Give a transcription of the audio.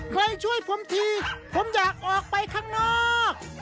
ช่วยผมทีผมอยากออกไปข้างนอก